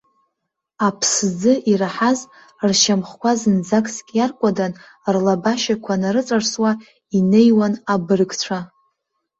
Аԥсӡы ираҳаз, ршьамхқәа зынӡаск иаркәадан, рлабашьақәа нарыҵарсуа, инеиуан абыргцәа.